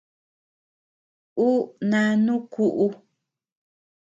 Ú nánu kuʼu.